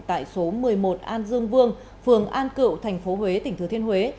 tại số một mươi một an dương vương phường an cựu tp huế tỉnh thứ thiên huế